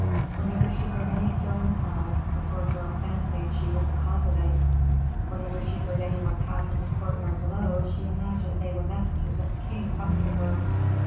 Whenever she heard any stir in the palace, the poor girl fancied she was the cause of it; whenever she heard any one pass in the courtyard below she imagined they were messengers of the king coming to her.